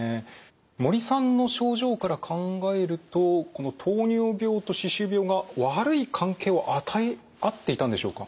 森さんの症状から考えるとこの糖尿病と歯周病が悪い関係を与え合っていたんでしょうか？